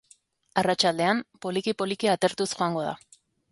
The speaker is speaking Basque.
Arratsaldean, poliki-poliki atertuz joango da.